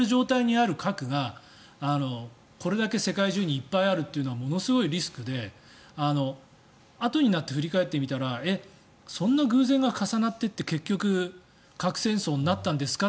使える状態にある核がこれだけ世界中にいっぱいあるというのはものすごいリスクであとになって振り返ってみたらえ、そんな偶然が重なってって結局、核戦争になったんですか？